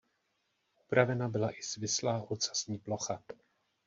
Upravena byla i svislá ocasní plocha.